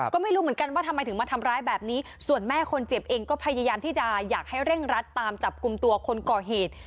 ก็ไม่รู้เหมือนกันว่าทำไมถึงมาทำร้ายแบบนี้ส่วนแม่คนเจ็บเองก็พยายามที่จะอยากให้เร่งรัดตามจับกลุ่มตัวคนก่อเหตุ